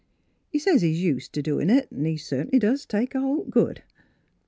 He says he's us't t' doin' it, an' he cert'nly doos take a holt good."